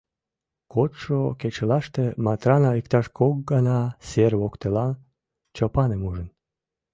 Кодшо кечылаште Матрана иктаж кок гана сер воктелан Чопаным ужын.